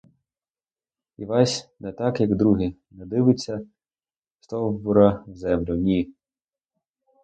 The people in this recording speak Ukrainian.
Івась — не так, як другі — не дивиться стовбура в землю, — ні!